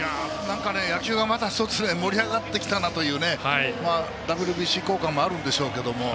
野球がまた一つ盛り上がってきたなというねＷＢＣ効果もあるんでしょうけど。